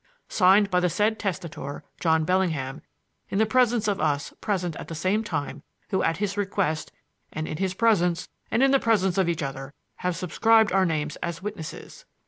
"Signed by the said testator John Bellingham in the presence of us present at the same time who at his request and in his presence and in the presence of each other have subscribed our names as witnesses.